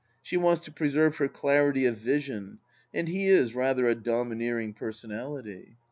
She wants to preserve her clarity of vision, and he is rather a domineering personality.